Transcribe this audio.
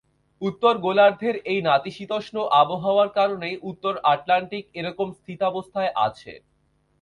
উত্তর গোলার্ধের এই নাতিশীতোষ্ণ আবহাওয়ার কারণেই উত্তর আটলান্টিক এরকম স্থিতাবস্থায় আছে।